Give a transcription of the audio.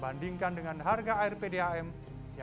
bandingkan dengan harga air pdam yang hanya rp satu per meter kubik